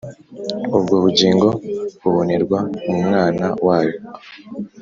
ubwo bugingo bubonerwa mu Mwana wayo.